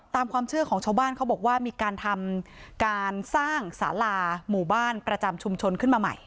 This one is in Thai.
ตามความเชื่อของชาวบ้านเขาบอกว่ามีการทำการสร้างสาราหมู่บ้านประจำชุมชนขึ้นมาใหม่